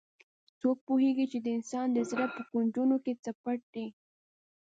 څوک پوهیږي چې د انسان د زړه په کونجونو کې څه پټ دي